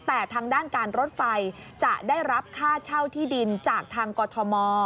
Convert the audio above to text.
แต่ทางด้านการรถไฟจะได้รับค่าเช่าที่ดินจากทางกรทม